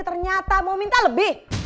ternyata mau minta lebih